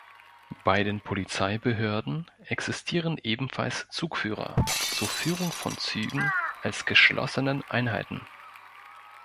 Bei den Polizeibehörden existieren ebenfalls Zugführer zur Führung von Zügen als geschlossenen Einheiten.